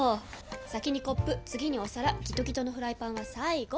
先にコップ次にお皿ギトギトのフライパンは最後！